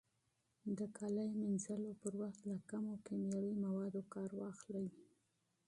د کالو مینځلو پر مهال له کمو کیمیاوي موادو کار واخلئ.